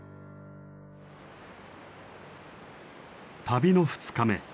旅の２日目。